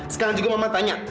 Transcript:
sekarang juga mama tanya